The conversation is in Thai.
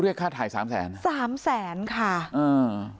เรียกค่าถ่ายสามแสนสามแสนค่ะอืม